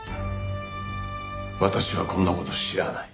私はこんな事知らない。